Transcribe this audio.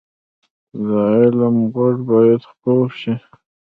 د علم غږ باید خپور شي